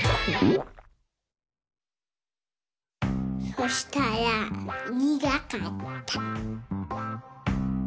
そしたらにがかった。